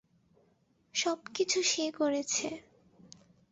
সবকিছু সে করেছে।